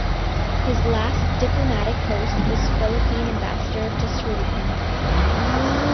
His last diplomatic post was Philippine Ambassador to Sri Lanka.